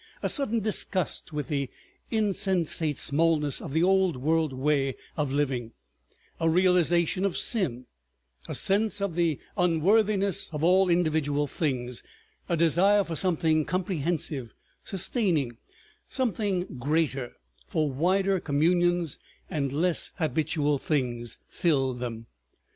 A sudden disgust with the insensate smallness of the old world way of living, a realization of sin, a sense of the unworthiness of all individual things, a desire for something comprehensive, sustaining, something greater, for wider communions and less habitual things, filled them.